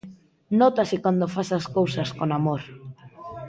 Nótase cando fas as cousas con amor.